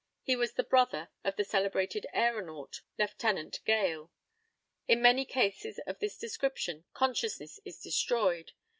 He was the brother of the celebrated æronaut, Lieutenant Gale. In many cases of this description consciousness is destroyed.